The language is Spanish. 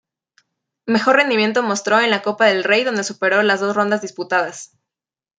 Mejor rendimiento mostró en la Copa del Rey, donde superó las dos rondas disputadas.